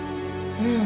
うん。